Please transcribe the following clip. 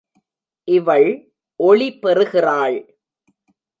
இவள் ஒளி பெறுகிறாள்.